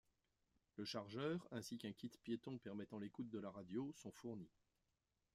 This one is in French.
Le chargeur, ainsi qu’un kit piéton permettant l’écoute de la radio, sont fournis.